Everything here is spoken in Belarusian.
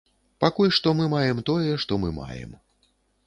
Пакуль што мы маем тое, што мы маем.